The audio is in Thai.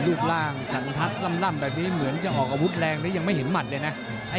รูปร่างสันทัศน์ล่ำแบบนี้เหมือนจะออกอาวุธแรงหรือยังไม่เห็นหมัดเลยนะ